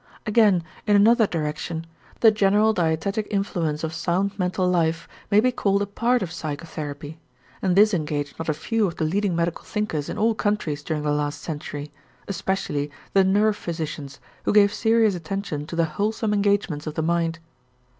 Again, in another direction, the general dietetic influence of sound mental life may be called a part of psychotherapy and this engaged not a few of the leading medical thinkers in all countries during the last century, especially the nerve physicians who gave serious attention to the wholesome engagements of the mind.